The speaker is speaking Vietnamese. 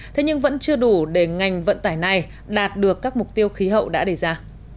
thế nhưng vẫn chưa đủ để ngành vận tải này đạt được các mục tiêu khí hậu đã đề ra